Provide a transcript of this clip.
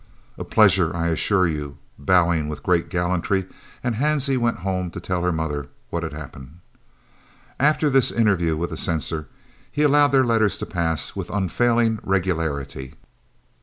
"A pleasure, I assure you," bowing with great gallantry, and Hansie went home to tell her mother what had happened. After this interview with the censor, he allowed their letters to pass with unfailing regularity.